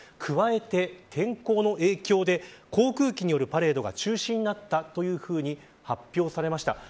加えて、天候の影響で航空機によるパレードが中止になったと発表されました。